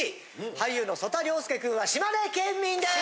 俳優の曽田陵介くんは島根県民です！